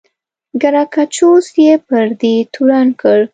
ګراکچوس یې پر دې تورن کړ.